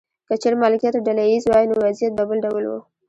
که چیرې مالکیت ډله ایز وای نو وضعیت به بل ډول و.